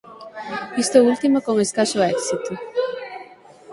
Isto último con escaso éxito.